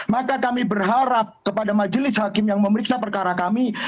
maka kami berharap kepada majelis hakim yang memeriksa perkara kami